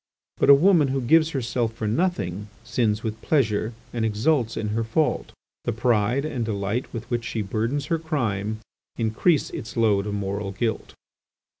But a woman who gives herself for nothing sins with pleasure and exults in her fault. The pride and delight with which she burdens her crime increase its load of moral guilt.